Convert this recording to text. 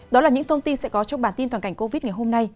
đó là những thông tin sẽ có trong bản tin toàn cảnh covid ngày hôm nay